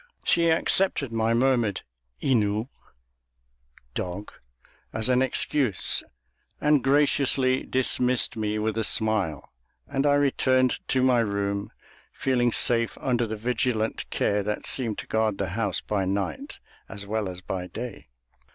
She accepted my murmured Inu (dog) as an excuse, and graciously dismissed me with a smile, and I returned to my room feeling safe under the vigilant care that seemed to guard the house by night as well as by day.